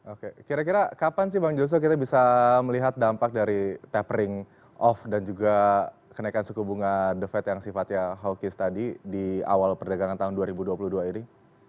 oke kira kira kapan sih bang joshua kita bisa melihat dampak dari tapering off dan juga kenaikan suku bunga the fed yang sifatnya hawkish tadi di awal perdagangan tahun dua ribu dua puluh dua ini